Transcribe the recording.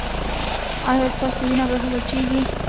ایا ستاسو وینه به وچیږي؟